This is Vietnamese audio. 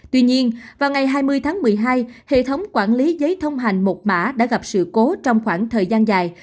tuy nhiên vào ngày hai mươi tháng một mươi hai hệ thống quản lý giấy thông hành một mã đã gặp sự cố trong khoảng thời gian dài